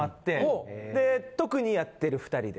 で特にやってる２人で。